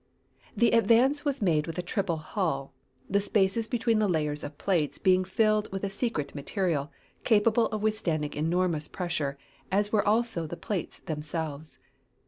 The Advance was made with a triple hull, the spaces between the layers of plates being filled with a secret material, capable of withstanding enormous pressure, as were also the plates themselves.